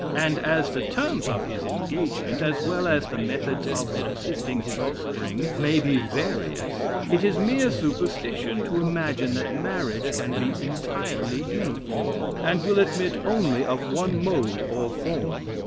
And as the terms of his engagement, as well as the methods of subsisting his offspring, may be various, it is mere superstition to imagine that marriage can be entirely uniform, and will admit only of one mode or form.